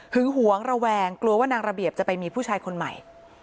หวงระแวงกลัวว่านางระเบียบจะไปมีผู้ชายคนใหม่